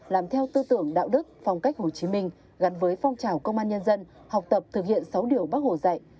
làm theo tư tưởng đạo đức phong cách hồ chí minh gắn với phong trào công an nhân dân học tập thực hiện sáu điều bác hồ dạy